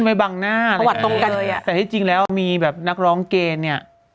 นักร้องเป็นเกยอีกประวัติตรงกันเลยอะแต่ที่จริงแล้วมีแบบนักร้องเกยเนี่ย